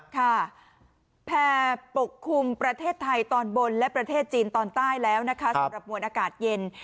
ค่ะแพร่ปกคลุมประเทศไทยตอนบนและประเทศจีนตอนใต้แล้วนะคะสำหรับมวลอากาศเย็น